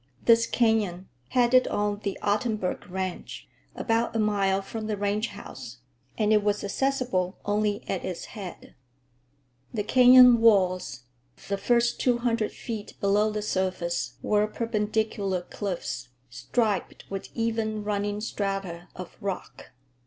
This canyon headed on the Ottenburg ranch, about a mile from the ranch house, and it was accessible only at its head. The canyon walls, for the first two hundred feet below the surface, were perpendicular cliffs, striped with even running strata of rock.